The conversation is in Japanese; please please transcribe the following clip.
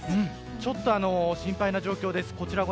ちょっと心配な状況です。